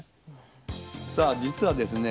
さあ実はですね